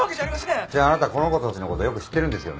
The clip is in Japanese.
じゃあなたこの子たちのことよく知ってるんですよね。